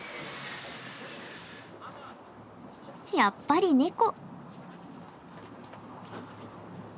やっぱりネコ。